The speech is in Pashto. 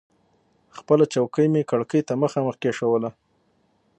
خپله چوکۍ مې کړکۍ ته مخامخ کېښودله.